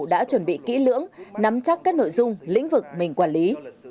đã chuẩn bị kỹ lưỡng nắm chắc các nội dung lĩnh vực mình quản lý